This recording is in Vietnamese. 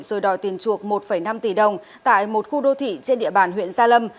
rồi đòi tiền chuộc một năm tỷ đồng tại một khu đô thị trên địa bàn huyện gia lâm